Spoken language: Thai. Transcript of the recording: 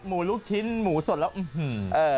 หมู่ลูกชิ้นหมูสดแล้วอือฮือ